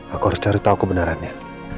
aku harus cari tahu kebenarannya